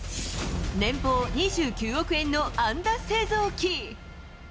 年俸２９億円の安打製造機。